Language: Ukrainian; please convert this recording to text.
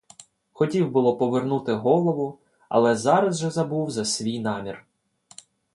Хотів було повернути голову, але зараз же забув за свій намір.